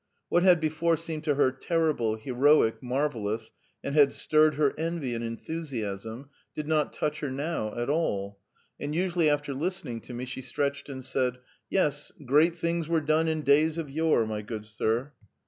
What had before seemed to her terrible, heroic, marvellous, and had stirred her envy and enthusiasm, did not touch her now at all, and usually after listening to me, she stretched and said: "Yes, 'great things were done in days of yore,' my good sir."